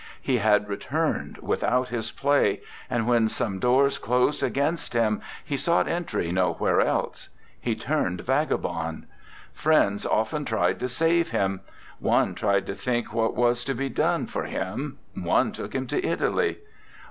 He had re turned without his play, and when some doors closed against him he sought entry nowhere else; he turned vagabond. Friends often tried to save him; one tried to think what was to be done for him; one took him to Italy.